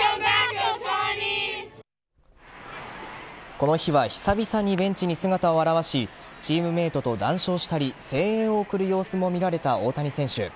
この日は久々にベンチに姿を現しチームメートと談笑したり声援を送る様子も見られた大谷選手。